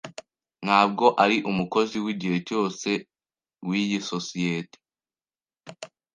Ntabwo ari umukozi wigihe cyose wiyi sosiyete.